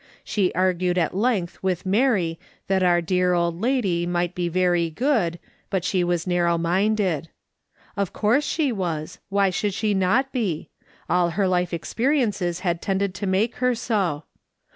She argued at length with Mary that our dear old lady might be very good, but she was narrow minded. Of course she was ; why should she not be ? All her life experiences had tended to make her so.